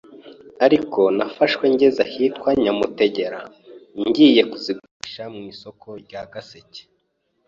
ariko nafashwe ngeze ahitwa Nyamutegera ngiye kuzigurisha mu isoko rya gaseke,,